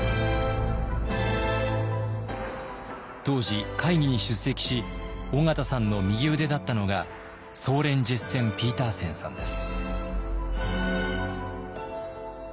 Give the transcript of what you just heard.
当時会議に出席し緒方さんの右腕だったのがソーレン・ジェッセン・ピーターセンさんです。